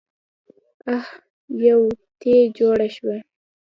اح يوه تې جوړه شوه.